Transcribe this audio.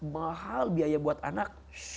mahal biaya buat anak